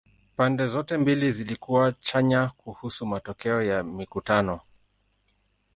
Pande zote mbili zilikuwa chanya kuhusu matokeo ya mikutano.